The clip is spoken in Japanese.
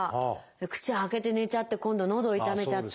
口開けて寝ちゃって今度のど痛めちゃったりとか。